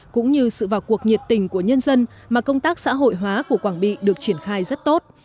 cũng như sự vào cuộc nhiệt tình của nhân dân mà công tác xã hội hóa của quảng bị được triển khai rất tốt